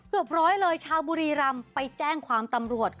เกือบร้อยเลยชาวบุรีรำไปแจ้งความตำรวจค่ะ